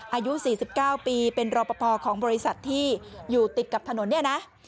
อายุ๔๙ปีเป็นรอปภของบริษัทที่อยู่ติดกับถนนเนี่ยนะ